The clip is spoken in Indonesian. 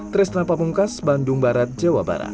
tresna pamungkas bandung barat jawa barat